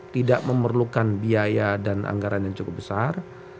tidak memerlukan biaya dan anggaran yang cukup besar